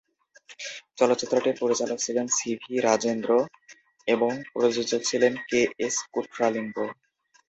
চলচ্চিত্রটির পরিচালক ছিলেন সি ভি রাজেন্দ্র এবং প্রযোজক ছিলেন কে এস কুট্রালিঙ্গ।